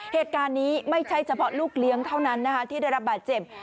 เหตุการณ์นี้ไม่ใช่เฉพาะลูกเลี้ยงเท่านั้นนะคะที่ได้รับบาดเจ็บ